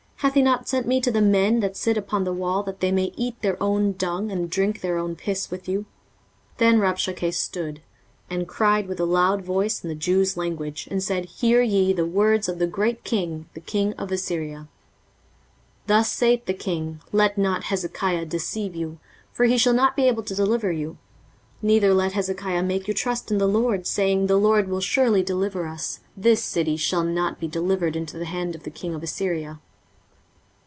hath he not sent me to the men that sit upon the wall, that they may eat their own dung, and drink their own piss with you? 23:036:013 Then Rabshakeh stood, and cried with a loud voice in the Jews' language, and said, Hear ye the words of the great king, the king of Assyria. 23:036:014 Thus saith the king, Let not Hezekiah deceive you: for he shall not be able to deliver you. 23:036:015 Neither let Hezekiah make you trust in the LORD, saying, The LORD will surely deliver us: this city shall not be delivered into the hand of the king of Assyria.